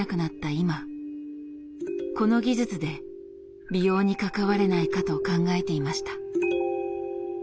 今この技術で美容に関われないかと考えていました。